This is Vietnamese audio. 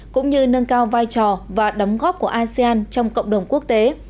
cũng như nâng cao vai trò và đóng góp của asean trong cộng đồng quốc tế